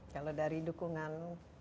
kalau dari dukungan